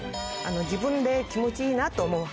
自分で気持ちいいなと思う